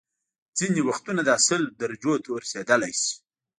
ځینې وختونه دا سل درجو ته هم رسيدلی شي